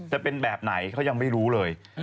จะเป็นแบบไหนเขายังไม่รู้เลย